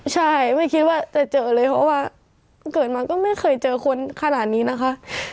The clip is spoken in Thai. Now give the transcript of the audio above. ใช่ไม่คิดว่าจะเจอเลยเพราะว่าเกิดมาก็ไม่เคยเจอคนขนาดนี้นะคะ